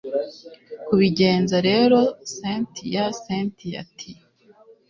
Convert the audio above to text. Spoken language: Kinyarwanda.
kubigenza rero cyntia cyntia ati